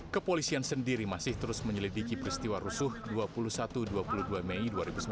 kepolisian sendiri masih terus menyelidiki peristiwa rusuh dua puluh satu dua puluh dua mei dua ribu sembilan belas